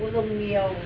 tăng chạy không ạ